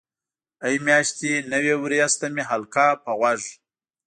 ای میاشتې نوې وریځ ته مې حلقه په غوږ.